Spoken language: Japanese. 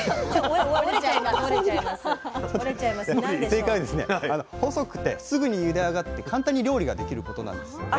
正解はですね細くてすぐにゆで上がって簡単に料理ができることなんですよね。